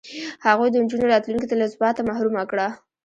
هغوی د نجونو راتلونکې له ثباته محرومه کړه.